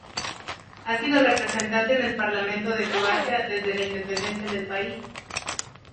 Ha sido representante en el Parlamento de Croacia desde la independencia del país.